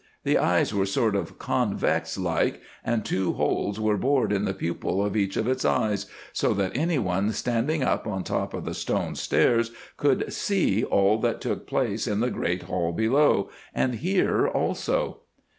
The eyes were sort of convex like, and two holes were bored in the pupil of each of its eyes, so that anyone standing up on top of the stone stairs could see all that took place in the great hall below, and hear also.